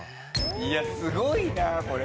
いやすごいなこれ。